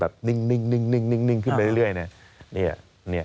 แบบนึงขึ้นไปเรื่อยแล้ว